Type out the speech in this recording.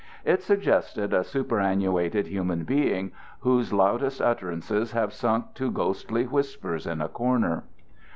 It suggested a superannuated human being whose loudest utterances have sunk to ghostly whispers in a corner.